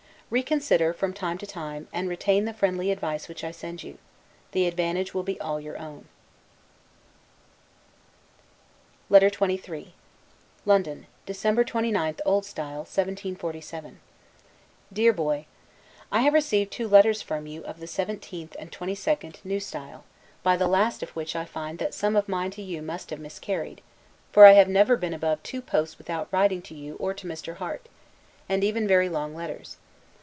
Reconsider, from time to time, and retain the friendly advice which I send you. The advantage will be all your own. LETTER XXIII LONDON, December 29, O. S. 1747 DEAR BOY: I have received two letters from you of the 17th and 22d, N. S., by the last of which I find that some of mine to you must have miscarried; for I have never been above two posts without writing to you or to Mr. Harte, and even very long letters.